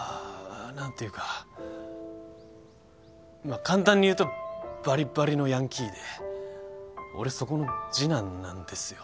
まあ簡単にいうとバリバリのヤンキーで俺そこの次男なんですよ。